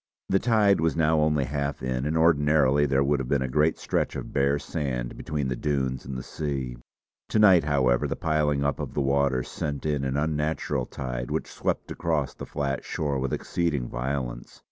The tide was now only half in, and ordinarily there would have been a great stretch of bare sand between the dunes and the sea. To night, however, the piling up of the waters sent in an unnatural tide which swept across the flat shore with exceeding violence.